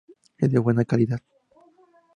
Es de buena calidad.